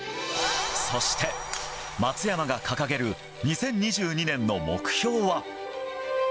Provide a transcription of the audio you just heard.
そして、松山が掲げる２０２２年の目標は。